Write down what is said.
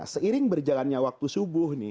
seiring berjalannya waktu subuh nih